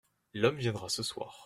L’homme viendra ce soir.